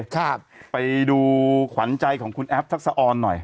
ครับไปดูขวัญใจของคุณแอฟทักษะออนหน่อย